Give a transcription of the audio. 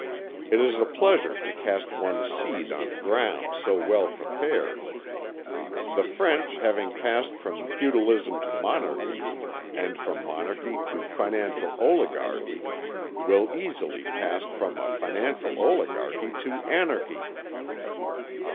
It is a pleasure to cast one's seed on ground so well prepared. The French having passed from feudalism to monarchy, and from monarchy to a financial oligarchy, will easily pass from a financial oligarchy to anarchy."